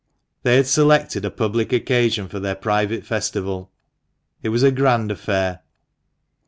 They had selected a public occasion for their private festival. It was a grand affair.